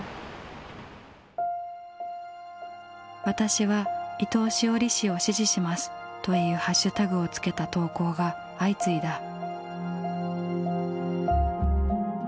「わたしは伊藤詩織氏を支持します」というハッシュタグをつけた投稿が相次いだ。